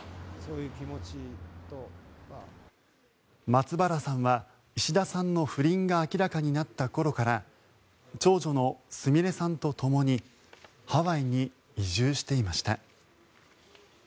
松原さんは石田さんの不倫が明らかになった頃から長女のすみれさんとともにハワイに移住していました。